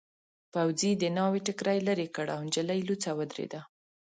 پوځي د ناوې ټکري لیرې کړ او نجلۍ لوڅه ودرېده.